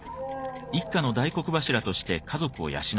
一家の大黒柱として家族を養っている。